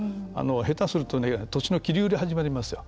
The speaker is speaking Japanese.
下手すると土地の切り売り、始まりますよ。